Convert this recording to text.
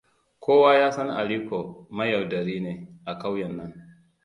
Kowa ya san Aliko, mayaudari ne a ƙauyen nan.